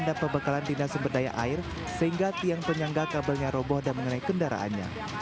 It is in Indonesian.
dan pembekalan dinasumber daya air sehingga tiang penyenggak kabelnya roboh dan mengenai kendaraannya